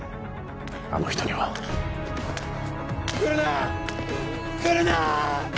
あの人には来るな来るな！